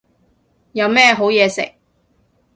有咩好嘢食